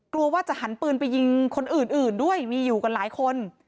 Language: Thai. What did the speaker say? กลัวว่าจะหันปืนไปยิงคนอื่นด้วยมีอยู่กันหลายคน